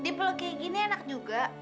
di pulau kayak gini enak juga